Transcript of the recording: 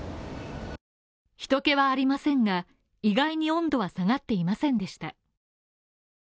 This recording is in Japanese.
人けはありませんが、意外に温度は下がっていませんでした。